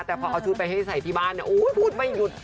แต่พอเอาชุดไปให้ใส่ที่บ้านพูดไม่หยุด